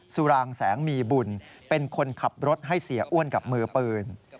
รางแสงมีบุญเป็นคนขับรถให้เสียอ้วนกับมือปืน